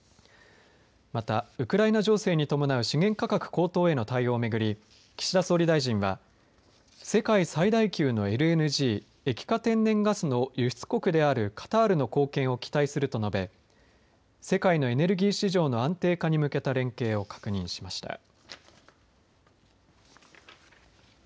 またウクライナ情勢に伴う資源価格高騰への対応をめぐり岸田総理大臣は世界最大級のＬＮＧ液化天然ガスの輸出国であるカタールの貢献を期待すると述べ世界のエネルギー市場の安定化に向けた連携を確認しました。